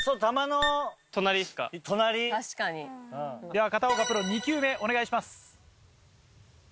では片岡プロ２球目お願いします。